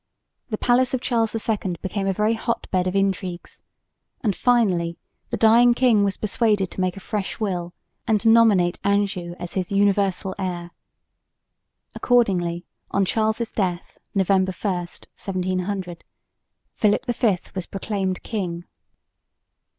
The palace of Charles II became a very hot bed of intrigues, and finally the dying king was persuaded to make a fresh will and nominate Anjou as his universal heir. Accordingly on Charles' death (November 1, 1700) Philip V was proclaimed king.